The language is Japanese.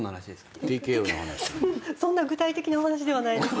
そんな具体的なお話ではないです。